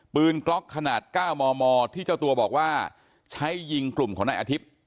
กล็อกขนาด๙มมที่เจ้าตัวบอกว่าใช้ยิงกลุ่มของนายอาทิตย์